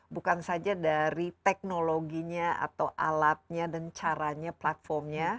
bukan saja dari teknologinya atau alatnya dan caranya platformnya